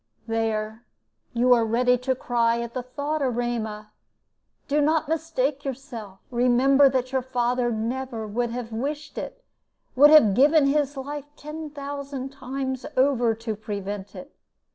"There, you are ready to cry at the thought. Erema, do not mistake yourself. Remember that your father would never have wished it would have given his life ten thousand times over to prevent it.